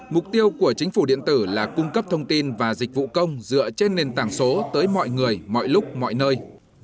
mục tiêu của chính phủ điện tử là cung cấp thông tin và dịch vụ công dựa trên nền tảng số tới mọi người mọi lúc mọi nơi